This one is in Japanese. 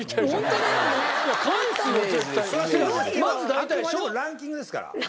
あくまでもランキングですから。